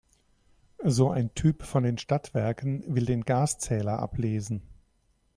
So ein Typ von den Stadtwerken will den Gaszähler ablesen.